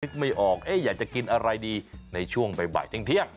นึกไม่ออกเอ๊ะอยากจะกินอะไรดีในช่วงบ่ายเต้นเที่ยง